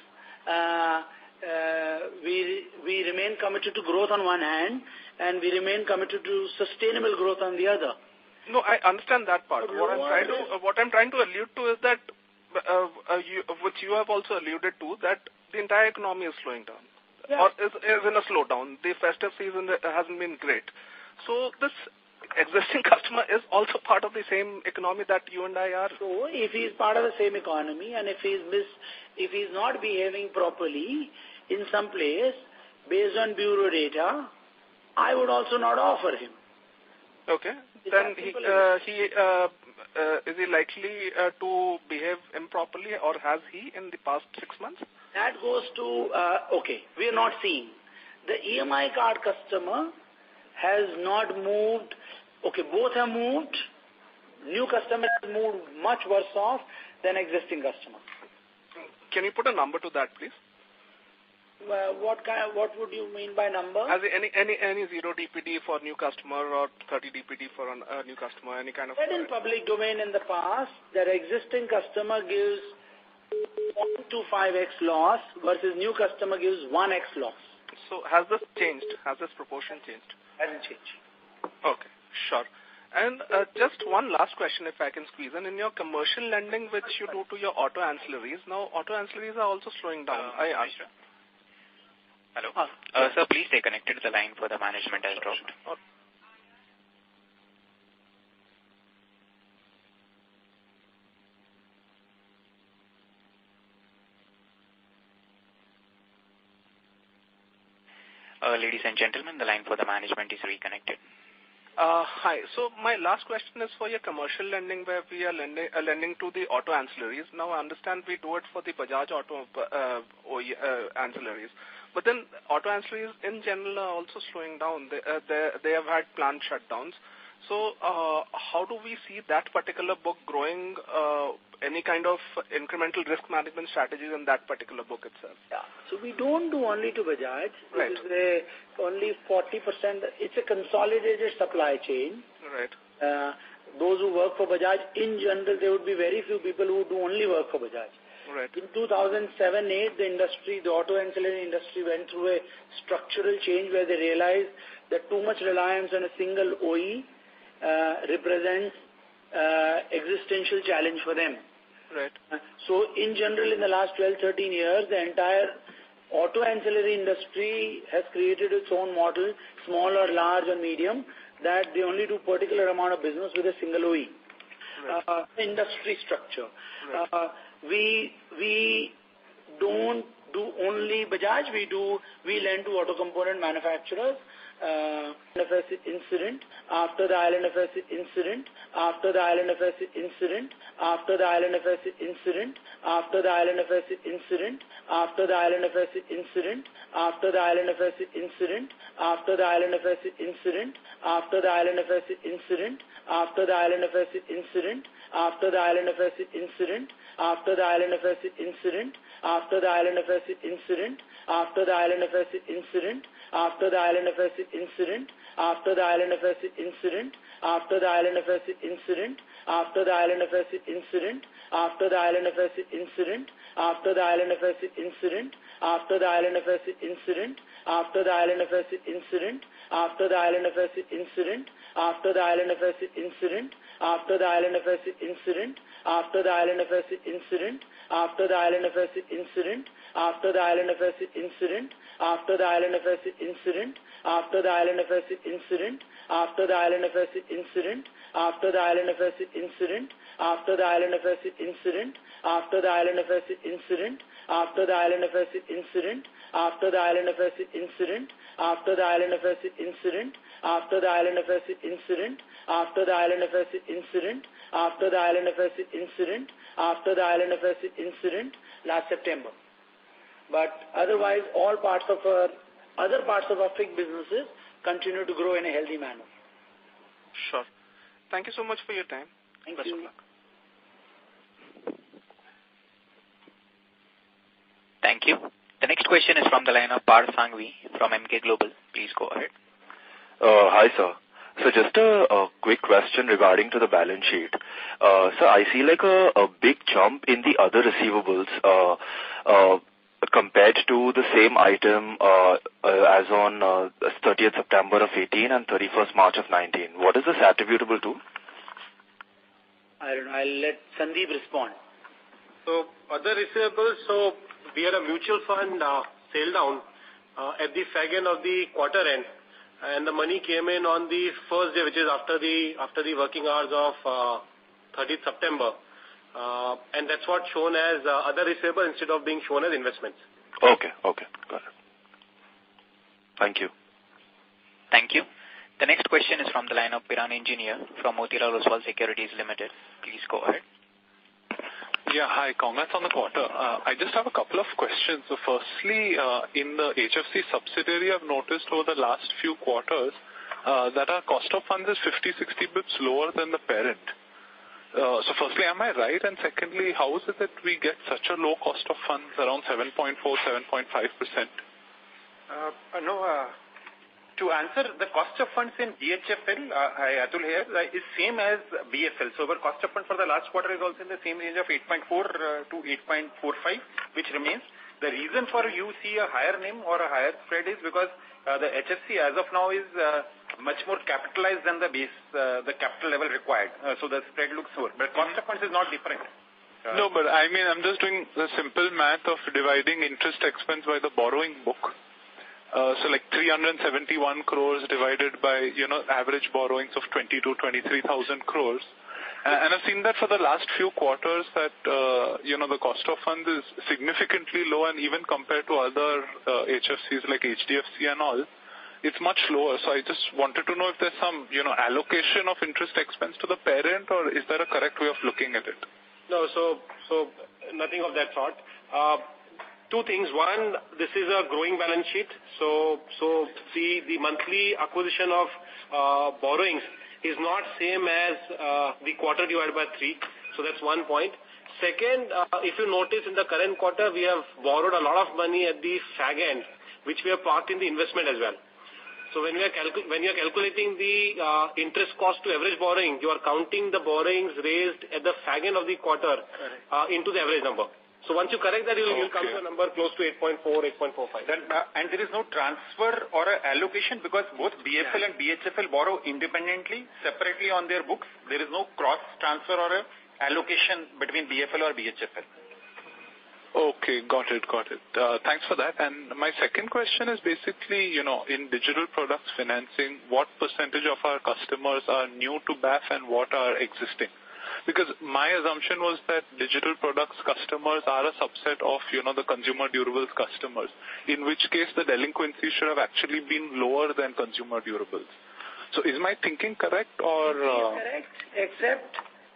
We remain committed to growth on one hand, and we remain committed to sustainable growth on the other. No, I understand that part. What I'm trying to allude to is that, which you have also alluded to, that the entire economy is slowing down. Yes. Is in a slowdown. The festive season hasn't been great. This existing customer is also part of the same economy that you and I are. If he's part of the same economy, and if he's not behaving properly in some place based on bureau data, I would also not offer him. Okay. It's as simple as that. Is he likely to behave improperly, or has he in the past six months? Okay. We are not seeing. The EMI card customer has not moved. Okay, both have moved. New customers have moved much worse off than existing customers. Can you put a number to that, please? What would you mean by number? Any zero DPD for new customer or 30 DPD for a new customer? Said in public domain in the past that existing customer gives 1x to 5x loss versus new customer gives 1x loss. Has this proportion changed? Hasn't changed. Okay. Sure. Just one last question, if I can squeeze in? In your commercial lending, which you do to your auto ancillaries. Auto ancillaries are also slowing down. Mishra. Hello. Yes. Sir, please stay connected. The line for the management has dropped. Okay. Ladies and gentlemen, the line for the management is reconnected. Hi. My last question is for your commercial lending, where we are lending to the auto ancillaries. I understand we do it for the Bajaj Auto ancillaries. Auto ancillaries in general are also slowing down. They have had plant shutdowns. How do we see that particular book growing? Any kind of incremental risk management strategies in that particular book itself? Yeah. We don't do only to Bajaj. Right. They're only 40%. It's a consolidated supply chain. Right. Those who work for Bajaj, in general, there would be very few people who would only work for Bajaj. Right. In 2007, 2008, the auto ancillary industry went through a structural change where they realized that too much reliance on a single OE represents existential challenge for them. Right. In general, in the last 12, 13 years, the entire auto ancillary industry has created its own model, small or large or medium, that they only do particular amount of business with a single OE. Right. Industry structure. Right. We don't do only Bajaj, we lend to auto component manufacturers. Incident after the IL&FS incident last September. Otherwise other parts of our FIG businesses continue to grow in a healthy manner. Sure. Thank you so much for your time. Best of luck. Thank you. Thank you. The next question is from the line of Parth Sanghvi from Emkay Global. Please go ahead. Hi, sir. Just a quick question regarding to the balance sheet. Sir, I see a big jump in the other receivables compared to the same item as on 30th September of 2018 and 31st March of 2019. What is this attributable to? Arun, I'll let Sandeep respond. Other receivables. We had a mutual fund tail down at the second of the quarter end, and the money came in on the first day, which is after the working hours of 30th September. That's what shown as other receivable instead of being shown as investments. Okay. Got it. Thank you. Thank you. The next question is from the line of Piran Engineer from Motilal Oswal Securities Limited. Please go ahead. Yeah. Hi. Congrats on the quarter. I just have a couple of questions. Firstly, in the HFC subsidiary, I've noticed over the last few quarters that our cost of funds is 50, 60 basis points lower than the parent. Firstly, am I right? Secondly, how is it that we get such a low cost of funds around 7.4%, 7.5%? Anuj, to answer, the cost of funds in BHFL, Atul here, is same as BFL. Our cost of funds for the last quarter is also in the same range of 8.4%-8.45%, which remains. The reason why you see a higher name or a higher spread is because the HFC as of now is much more capitalized than the capital level required. The spread looks poor, but cost of funds is not different. I mean, I'm just doing the simple math of dividing interest expense by the borrowing book. 371 crores divided by average borrowings of 20,000-23,000 crores. I've seen that for the last few quarters that the cost of fund is significantly low even compared to other HFCs like HDFC and all. It's much lower. I just wanted to know if there's some allocation of interest expense to the parent, or is that a correct way of looking at it? Nothing of that sort. Two things. One, this is a growing balance sheet, so the monthly acquisition of borrowings is not same as the quarter divided by three. That's one point. Second, if you notice in the current quarter, we have borrowed a lot of money at the fag end, which we have parked in the investment as well. When you are calculating the interest cost to average borrowing, you are counting the borrowings raised at the fag end of the quarter into the average number. Once you correct that, you come to a number close to 8.4, 8.45. There is no transfer or allocation because both BFL and BHFL borrow independently separately on their books. There is no cross transfer or allocation between BFL or BHFL. Got it. Thanks for that. My second question is basically, in digital products financing, what % of our customers are new to BFL and what are existing? Because my assumption was that digital products customers are a subset of the consumer durables customers. In which case, the delinquency should have actually been lower than consumer durables. Is my thinking correct or? It is correct except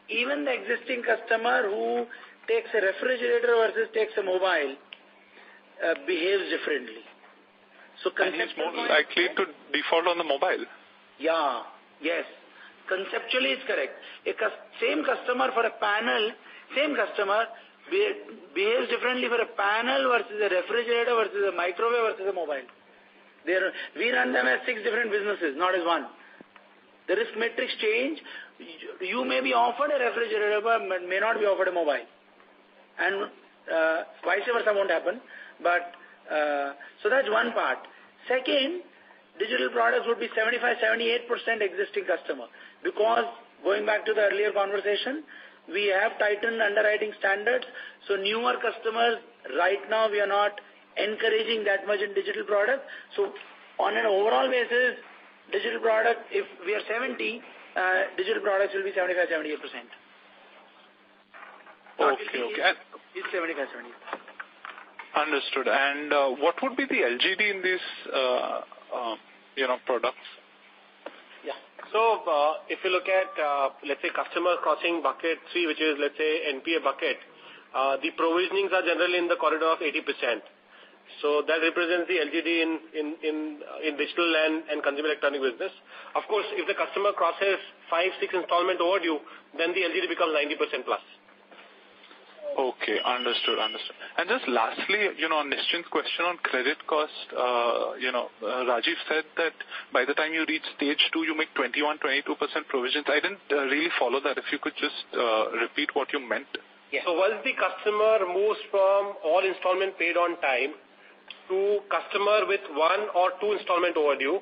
even the existing customer who takes a refrigerator versus takes a mobile behaves differently. He gets more likely to default on the mobile. Yes. Conceptually, it is correct. Same customer behaves differently for a panel versus a refrigerator versus a microwave versus a mobile. We run them as six different businesses, not as one. The risk metrics change. You may be offered a refrigerator but may not be offered a mobile. Never some won't happen. That's one part. Second, digital products would be 75%-78% existing customer. Going back to the earlier conversation, we have tightened underwriting standards, so newer customers, right now we are not encouraging that much in digital products. On an overall basis, digital product, if we are 70, digital products will be 75%-78%. Okay. It's 75%-78%. Understood. What would be the LGD in these products? Yeah. If you look at, let's say customer crossing bucket 3, which is let's say NPA bucket, the provisionings are generally in the corridor of 80%. That represents the LGD in digital and consumer electronic business. Of course, if the customer crosses five, six installment overdue, then the LGD becomes 90% plus. Okay, understood. Just lastly, on Nischint's question on credit cost, Rajeev said that by the time you reach stage 2, you make 21%-22% provisions. I didn't really follow that. If you could just repeat what you meant. Yeah. Once the customer moves from all installment paid on time to customer with one or two installment overdue,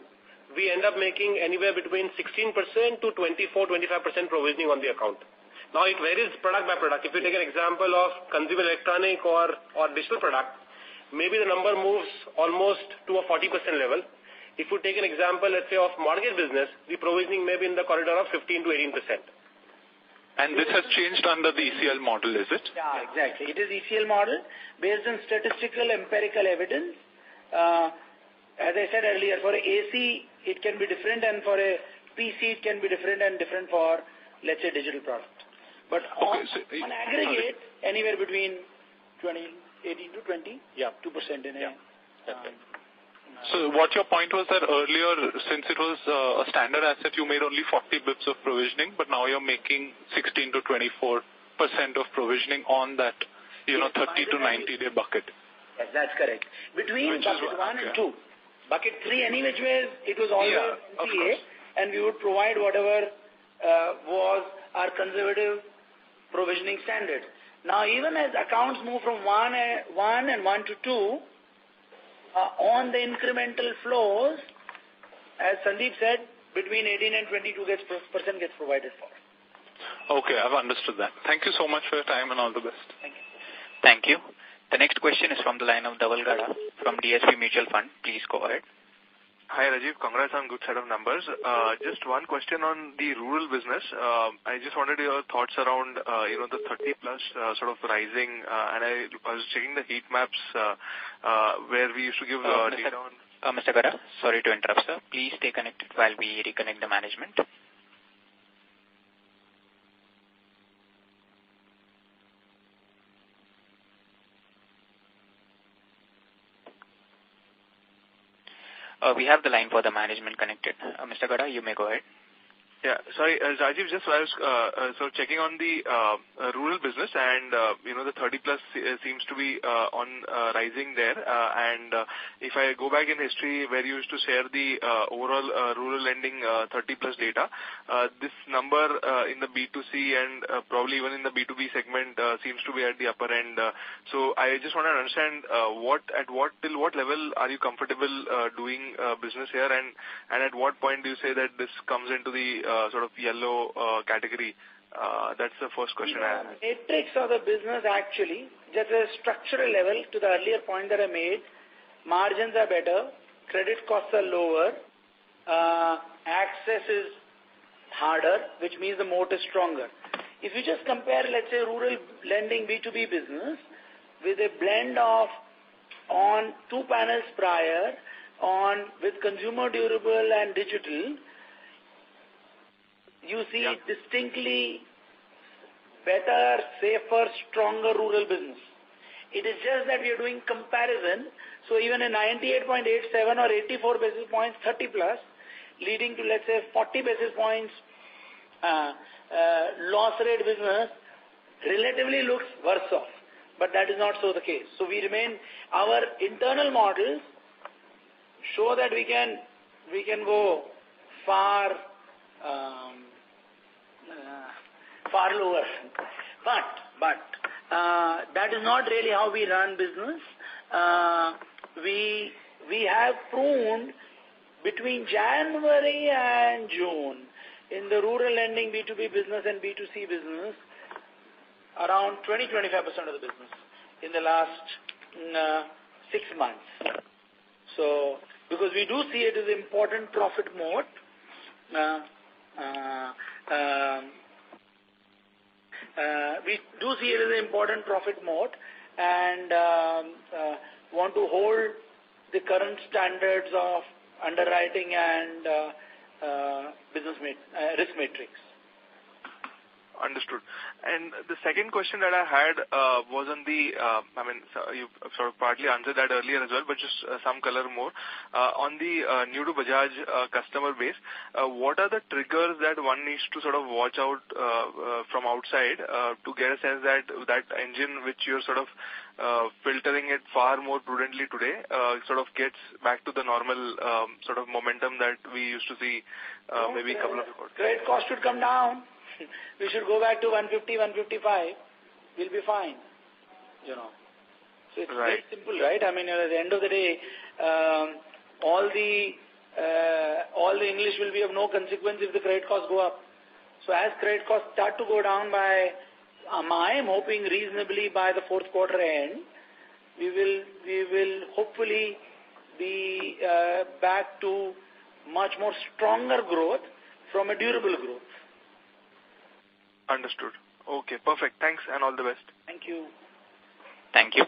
we end up making anywhere between 16% to 24%-25% provisioning on the account. It varies product by product. If you take an example of consumer electronic or digital product, maybe the number moves almost to a 40% level. If you take an example, let's say, of mortgage business, the provisioning may be in the corridor of 15%-18%. This has changed under the ECL model, is it? Yeah, exactly. It is ECL model based on statistical empirical evidence. As I said earlier, for AC it can be different, and for a PC it can be different and different for, let's say, digital product. Okay. On aggregate, anywhere between. 20 18%-20%. Yeah. 2% What your point was that earlier, since it was a standard asset, you made only 40 basis points of provisioning, but now you're making 16%-24% of provisioning on that 30 to 90-day bucket. That's correct. Between bucket 1 and 2. Bucket 3, any which way, it was always NPA- Yeah, of course. We would provide whatever was our conservative provisioning standard. Now, even as accounts move from one and one to two, on the incremental flows, as Sandeep said, between 18% and 22% gets provided for. Okay, I've understood that. Thank you so much for your time and all the best. Thank you. Thank you. The next question is from the line of Dhaval Gada from DSP Mutual Fund. Please go ahead. Hi, Rajeev. Congrats on good set of numbers. Just one question on the rural business. I just wanted your thoughts around the 30-plus sort of rising, and I was checking the heat maps, where we used to give the data on- Mr. Gada, sorry to interrupt, sir. Please stay connected while we reconnect the management. We have the line for the management connected. Mr. Gada, you may go ahead. Yeah. Sorry, Rajeev. Checking on the rural business and the 30-plus seems to be on rising there. If I go back in history where you used to share the overall rural lending 30-plus data, this number in the B2C and probably even in the B2B segment seems to be at the upper end. I just want to understand till what level are you comfortable doing business here and at what point do you say that this comes into the sort of yellow category? That's the first question I have. Metrics of the business actually, just at a structural level to the earlier point that I made, margins are better, credit costs are lower, access is harder, which means the moat is stronger. If you just compare, let's say rural lending B2B business with a blend of on two panels prior on with consumer durable and digital, you see distinctly better, safer, stronger rural business. It is just that we are doing comparison, even a 98.87 or 84 basis points 30-plus leading to, let's say, 40 basis points loss rate business relatively looks worse off. That is not so the case. Our internal models show that we can go far lower. That is not really how we run business. We have pruned between January and June in the rural lending B2B business and B2C business around 20%-25% of the business in the last six months. We do see it as important profit moat and want to hold the current standards of underwriting and risk matrix. Understood. The second question that I had was on the, you sort of partly answered that earlier as well, but just some color more. On the new to Bajaj customer base, what are the triggers that one needs to sort of watch out from outside to get a sense that that engine which you're sort of filtering it far more prudently today, sort of gets back to the normal sort of momentum that we used to see maybe a couple of quarters ago? Credit cost should come down. We should go back to 150, 155. We'll be fine. Right. It's quite simple. At the end of the day, all the English will be of no consequence if the credit costs go up. As credit costs start to go down by, I'm hoping reasonably by the fourth quarter end, we will hopefully be back to much more stronger growth from a durable growth. Understood. Okay, perfect. Thanks and all the best. Thank you. Thank you.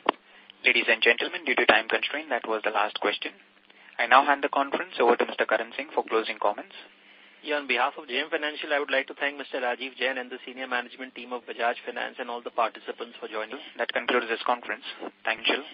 Ladies and gentlemen, due to time constraint, that was the last question. I now hand the conference over to Mr. Karan Singh for closing comments. On behalf of JM Financial, I would like to thank Mr. Rajeev Jain and the senior management team of Bajaj Finance and all the participants for joining us. That concludes this conference. Thank you.